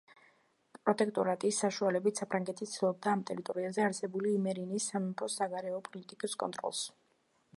პროტექტორატის საშუალებით საფრანგეთი ცდილობდა ამ ტერიტორიაზე არსებული იმერინის სამეფოს საგარეო პოლიტიკის კონტროლს.